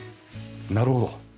なるほど。